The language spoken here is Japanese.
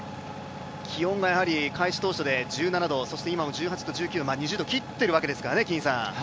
気温は開始当初で１７度、今も１９度２０度を切っているわけですからね